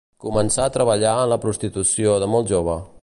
Començà a treballar en la prostitució de molt jove.